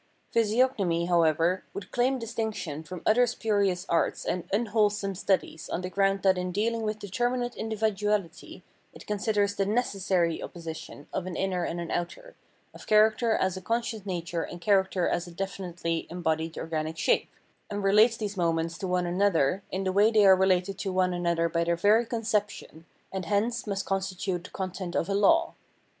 Physiognomy, however, would claim distinction from other spurious arts and unwholesome studies on the ground that in deal ing with determinate individuality it considers the neces sary opposition of an inner and an outer, of character as a conscious nature and character as a definitely em bodied organic shape, and relates these moments to one another in the way they are related to one another by their very conception, and hence must constitute the content of a law.